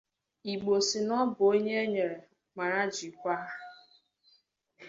Igbo sị na ọ na-abụ onye e nyere mara jikwaa